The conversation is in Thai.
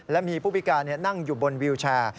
และมีผู้พิการนั่งอยู่บนวิวแชร์